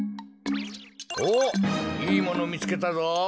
おっいいものみつけたぞ。